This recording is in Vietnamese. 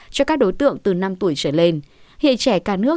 cho các đối tượng từ năm tuổi trở lên